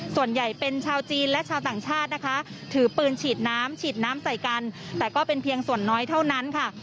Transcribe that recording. ส่วนใหญ่เป็นชาวจีนและชาวต่างชาตินะคะถือปืนฉีดน้ำฉีดน้ำใส่กันแต่ก็เป็นเพียงส่วนน้อยเท่านั้นค่ะ